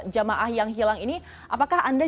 jamaah yang hilang ini apakah anda